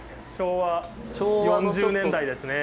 昭和４０年代ですね。